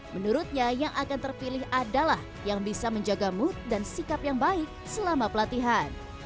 menurutnya yang akan terpilih adalah yang bisa menjaga mood dan sikap yang baik selama pelatihan